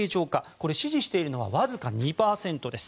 これは支持しているのはわずか２％です。